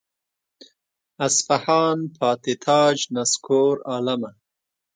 اصفهان پاتې تاج نسکور عالمه.